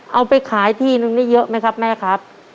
เอาไปขายที่นึงนี่เยอะไหมครับแม่ครับ